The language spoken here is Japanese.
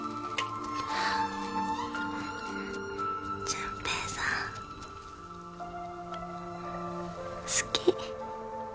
純平さん好き。